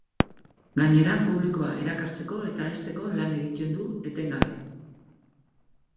Gainera, publikoa erakartzeko eta hezteko lan egiten du etengabe.